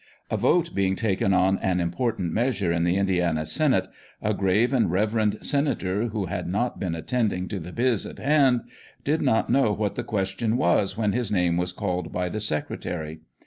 A vote being taken on an important measure in the Indiana senate, a grave and reverend senator, who had not been attending to the " biz" in hand, did not know what the question was when, his name was called by the secretary.